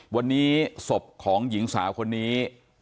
วันนี้ศพของหญิงสาวคนนี้